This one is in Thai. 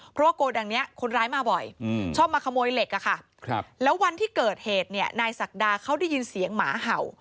เพราะว่าโกดังนี้คนร้ายมาบ่อยชอบมาขโมยเหล็กอะค่ะแล้ววันที่เกิดเหตุเนี่ยนายศักดาเขาได้ยินเสียงหมาเห่า